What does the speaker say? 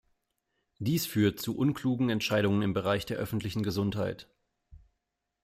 Dies führt zu unklugen Entscheidungen im Bereich der öffentlichen Gesundheit.